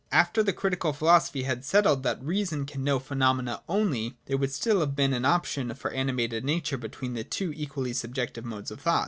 After the Critical philosophy had settled that Reason can know phenomena only, there would still have been an option for animated nature between two equally sub jective modes of thought.